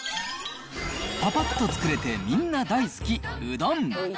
ぱぱっと作れてみんな大好き、うどん。